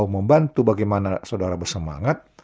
membantu bagaimana saudara bersemangat